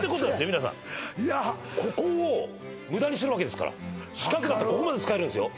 皆さんここを無駄にする訳ですから四角だとここまで使えるんですよ